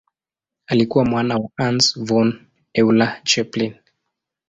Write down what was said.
Alikuwa mwana wa Hans von Euler-Chelpin.